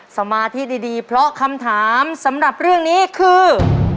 สมาธิดีเพราะคำถามสำหรับเรื่องนี้คือ